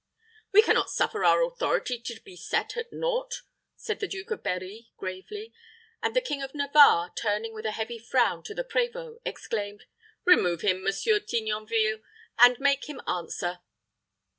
"We can not suffer our authority to be set at naught," said the Duke of Berri, gravely; and the King of Navarre, turning with a heavy frown to the prévôt, exclaimed, "Remove him, Monsieur Tignonville, and make him answer."